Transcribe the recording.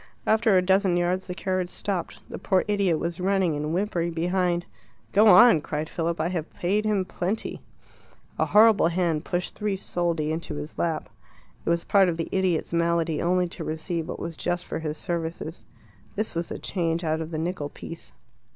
After a dozen yards the carriage stopped. The poor idiot was running and whimpering behind. "Go on," cried Philip. "I have paid him plenty." A horrible hand pushed three soldi into his lap. It was part of the idiot's malady only to receive what was just for his services. This was the change out of the nickel piece.